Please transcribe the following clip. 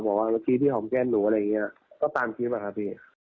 บอกว่าพี่ที่หอมแก้มหนูอะไรอย่างเงี้ยก็ตามคิดมาครับพี่